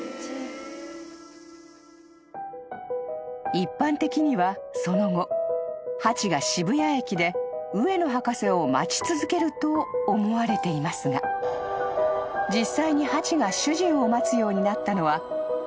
［一般的にはその後ハチが渋谷駅で上野博士を待ち続けると思われていますが実際にハチが］